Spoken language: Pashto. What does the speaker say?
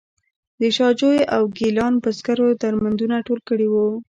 د شاه جوی او ګیلان بزګرو درمندونه ټول کړي وو.